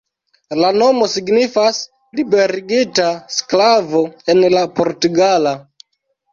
La nomo signifas "liberigita sklavo" en la portugala.